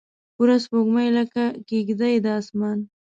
پوره سپوږمۍ لکه کیږدۍ د اسمان